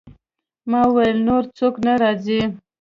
ما وویل: نور څوک نه راځي؟